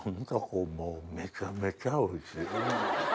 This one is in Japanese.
もうめちゃめちゃおいしい。